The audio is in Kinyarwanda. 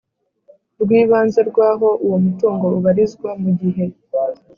Rw ibanze rw aho uwo mutungu ubarizwa mu gihe